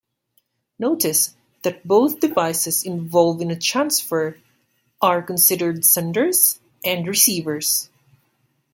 Notice that both devices involved in a transfer are considered senders and receivers.